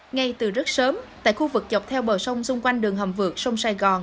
ngay từ rất sớm tại khu vực dọc theo bờ sông xung quanh đường hầm vượt sông sài gòn